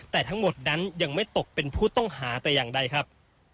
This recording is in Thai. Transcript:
แต่ทั้งหมดนั้นยังไม่ตกเป็นผู้ต้องหาแต่อย่างใดครับ